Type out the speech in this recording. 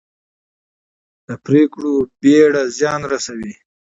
د پرېکړو بېړه زیان رسوي